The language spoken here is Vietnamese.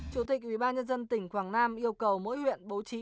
chủ tịch ubnd tỉnh quảng nam yêu cầu mỗi huyện bố trí